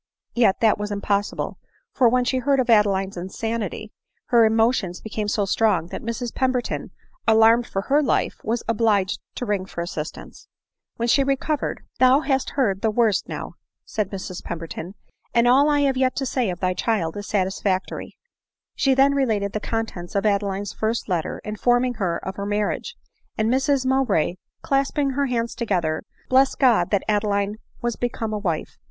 Yet that was impossible ; for, when she heard of Ade line's insanity, her emotions became so strong that Mrs Pemberton, alarmed for her life, was obliged to ring for assistance. When she recovered — "Thou hast heard the worst now," said Mrs Pemberton, " and all I have yet to say of thy child is satisfactory." 294 ADELINE MOWBRAY. She then related the contents of Adeline's first letter, informing her of her marriage :— and Mrs Mowbray, clasping her hands together, blessed God that Adeline was become a wife.